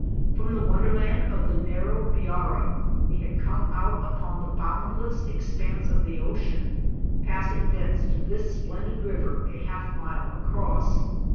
From the wonderland of the narrow Biara, we had come out upon the boundless expanse of the ocean, passing thence to this splendid river a half mile across.